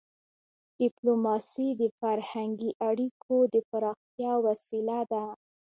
ډيپلوماسي د فرهنګي اړیکو د پراختیا وسیله ده.